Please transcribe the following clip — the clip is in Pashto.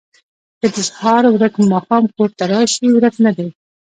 ـ که د سهار ورک ماښام کور ته راشي ورک نه دی.